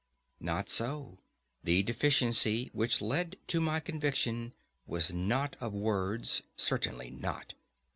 Not so; the deficiency which led to my conviction was not of words—certainly not.